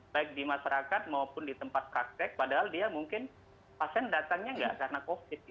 baik di masyarakat maupun di tempat praktek padahal dia mungkin pasien datangnya nggak karena covid